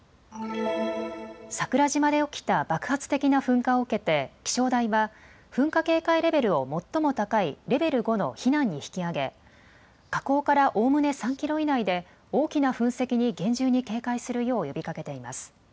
桜島で起きた爆発的な噴火を受けて気象台は噴火警戒レベルを最も高いレベル５の避難に引き上げ火口からおおむね３キロ以内で大きな噴石に厳重に警戒するよう呼びかけています。